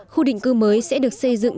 khu định cư mới sẽ được xây dựng